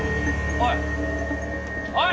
おい！